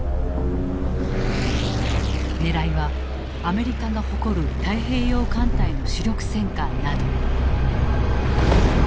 狙いはアメリカが誇る太平洋艦隊の主力戦艦など。